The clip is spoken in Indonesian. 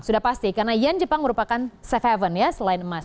sudah pasti karena yen jepang merupakan safe haven ya selain emas